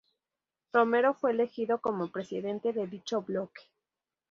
Romero fue elegido como presidente de dicho bloque.